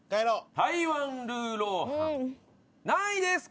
台湾ルーロー飯何位ですか？